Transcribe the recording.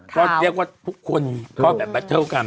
ก็เรียกว่าทุกคนก็แบบแบตเทิลกัน